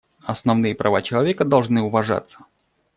Основные права человека должны уважаться.